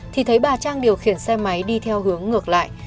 thì thấy bà trang điều khiển xe máy đi theo hướng ngược lại